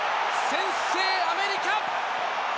先制、アメリカ！